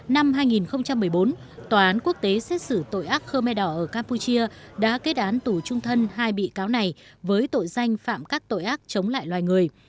năm hai nghìn một mươi bốn tòa án quốc tế xét xử tội ác khơ me đỏ ở campuchia đã kết án tù trung thân hai bị cáo này với tội danh phạm các tội ác chống lại loài người